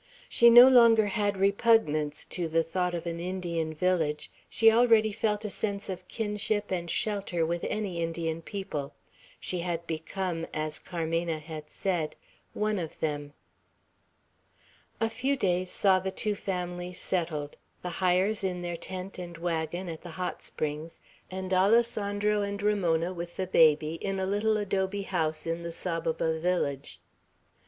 She no longer had repugnance to the thought of an Indian village; she already felt a sense of kinship and shelter with any Indian people. She had become, as Carmena had said, "one of them." A few days saw the two families settled, the Hyers in their tent and wagon, at the hot springs, and Alessandro and Ramona, with the baby, in a little adobe house in the Saboba village.